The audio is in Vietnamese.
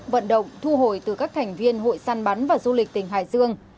vận động thu hồi từ các thành viên hội săn bắn và du lịch tỉnh hải dương